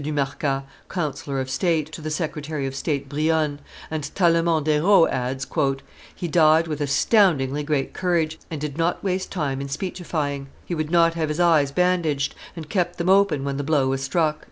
du Marca, councillor of state, to the secretary of state Brionne; and Tallemant des Reaux adds, "He died with astoundingly great courage, and did not waste time in speechifying; he would not have his eyes bandaged, and kept them open when the blow was struck."